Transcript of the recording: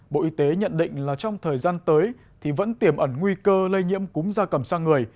bộ y tế nhận định trong thời gian tới vẫn tiềm ẩn nguy cơ lây nhiễm cúng gia cầm sang người